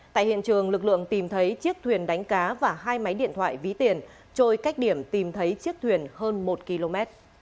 tại hiện trường lực lượng tìm thấy chiếc thuyền đánh cá và hai máy điện thoại ví tiền trôi cách điểm tìm thấy chiếc thuyền hơn một km